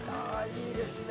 いいですね。